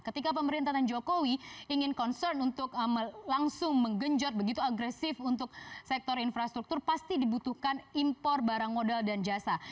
ketika pemerintahan jokowi ingin concern untuk langsung menggenjot begitu agresif untuk sektor infrastruktur pasti dibutuhkan impor barang modal dan jasa